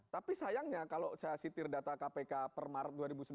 tapi sayangnya kalau saya sitir data kpk per maret dua ribu sembilan belas